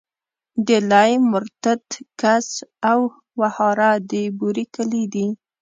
ډيلی، مرتت، کڅ او وهاره د بوري کلي دي.